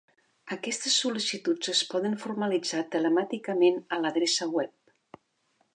Aquestes sol·licituds es poden formalitzar telemàticament a l'adreça web.